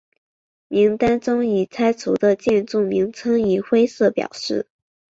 名单中已拆除的建筑名称以灰色表示。